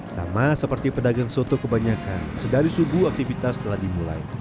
sama seperti pedagang soto kebanyakan sedari subuh aktivitas telah dimulai